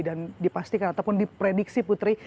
dan dipastikan ataupun diprediksi putri